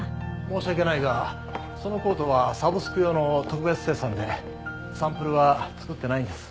申し訳ないがそのコートはサブスク用の特別生産でサンプルは作ってないんです。